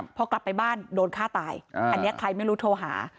พอกลับไปบ้านโดนฆ่าตายอันนี้ใครไม่รู้โทรหา